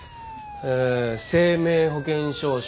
え生命保険証書。